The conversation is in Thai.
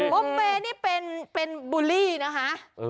บอมเบนี้เป็นบูลลี่นะคะ